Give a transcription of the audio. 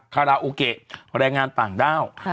คาราโอเกะแรงงานต่างด้าว